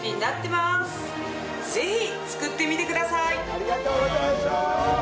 ありがとうございます！